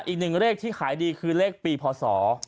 อีกหนึ่งเลขที่ขายดีคือเลขปีพศ๒๕